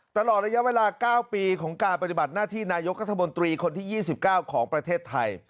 ตลอดระยะเวลา๙ปีของการปฏิบัติหน้าที่นายกรัฐมนตรีคนที่๒๙ของประเทศไทย